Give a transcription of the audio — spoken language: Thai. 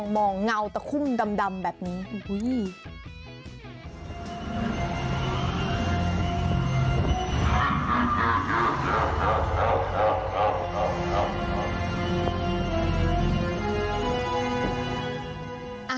มองเงาตะคุ่มดำแบบนี้